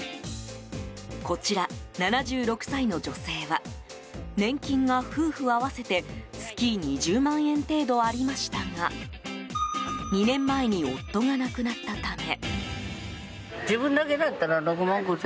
こちら、７６歳の女性は年金が夫婦合わせて月２０万程度ありましたが２年前に夫が亡くなったため。